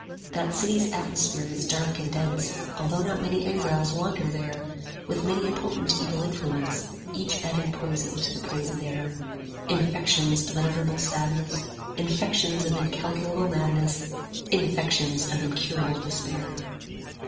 That City's atmosphere is dark and dense, 15 Although not many exiles wander there, With many a potent evil influence, Each adding poison to the poisoned air; Infections of unutterable sadness, Infections of incalculable madness, 20 Infections of incurable despair.